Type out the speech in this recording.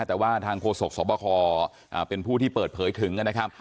แต่ว่าทางโฆษกสวบคเป็นผู้ที่เปิดเผยถึงนะครับ